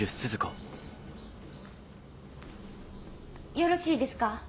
よろしいですか？